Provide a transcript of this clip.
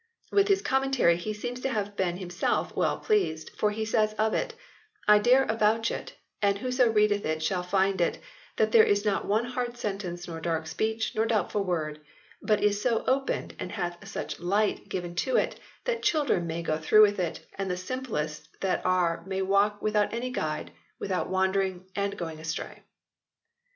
With his commentary he seems to have been himself well pleased, for he says of it, " I dare avouch it, and whoso readeth it shall so find it, that there is not one hard sentence nor dark speech nor doubtful word, but is so opened and hath such light given to it, that children may go through with it, arid the simplest that are may walk without any guide, without wandering and going astray."